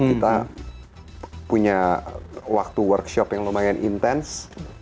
kita punya waktu workshop yang lumayan intens